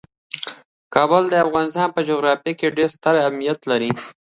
کابل د افغانستان په جغرافیه کې ډیر ستر اهمیت لري.